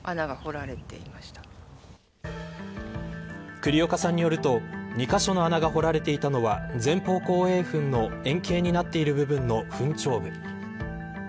栗岡さんによると２カ所の穴が掘られていたのは前方後円墳の円形になっている部分の墳頂部。